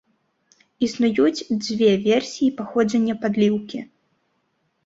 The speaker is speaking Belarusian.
Існуюць дзве версіі паходжання падліўкі.